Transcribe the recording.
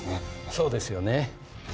そうですよね。